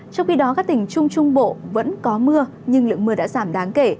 trong khi đó các tỉnh trung trung bộ vẫn có mưa nhưng lượng mưa đã giảm đáng kể